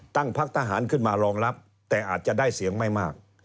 ตั้งพักทหารขึ้นมารองรับแต่อาจจะได้เสียงไม่มาก